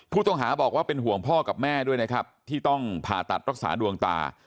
ผู้ต้องหาบอกว่าเป็นห่วงพ่อกับแม่ด้วยนะครับที่ต้องผ่าตัดรักษาดวงตา